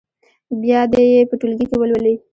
بیا دې یې په ټولګي کې ولولي.